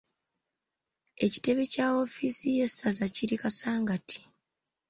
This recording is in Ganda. Ekitebe kya Ofiisi y'essaza kiri Kasangati.